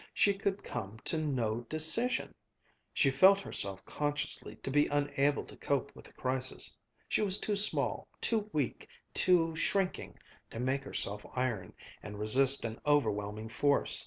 She could come to no decision! She felt herself consciously to be unable to cope with the crisis. She was too small, too weak, too shrinking, to make herself iron, and resist an overwhelming force.